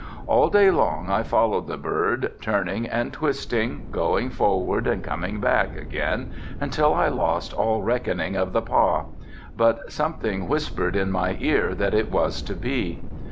All day long I followed the bird, turning and twisting, going forward and coming back again until I lost all reckoning of the pah, but something whispered in my ear that it was to be.